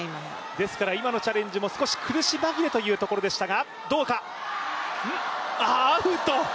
ですから今のチャレンジも少し苦し紛れというところだがアウト！